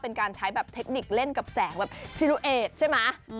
เป็นการใช้แบบท่ีกดิ่งเล่นกับแสงสิลิเอทใช่ไหม